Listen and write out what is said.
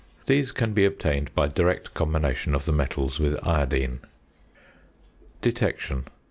These can be obtained by direct combination of the metals with iodine. ~Detection.